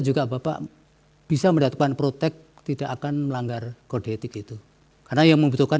juga bapak bisa mendapatkan protek tidak akan melanggar kode etik itu karena yang membutuhkan